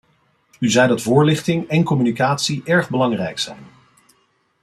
U zei dat voorlichting en communicatie erg belangrijk zijn.